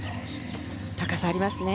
高さ、ありますね。